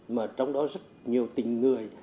mà trong đó rất nhiều tình người